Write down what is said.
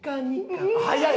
早い！